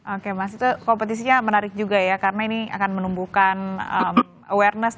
oke mas itu kompetisinya menarik juga ya karena ini akan menumbuhkan awareness